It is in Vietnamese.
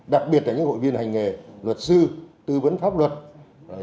đặc biệt là những hội viên hành nghề luật sư tư vấn pháp luật